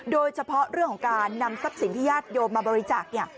โดยเฉพาะเรื่องของการนำทรัพย์สินที่ญาติโยมมาบริจาคเนี่ย